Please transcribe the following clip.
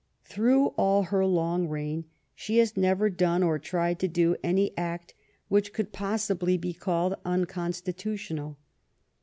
Through all her long reign she has never done or tried to do any act which could possibly be called unconstitutional.